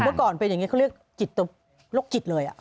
เมื่อก่อนเป็นอย่างนี้เขาเรียกจิตโรคจิตเลย